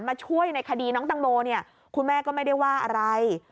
มาช่วยในคดีน้องตังโมเนี่ยคุณแม่ก็ไม่ได้ว่าอะไร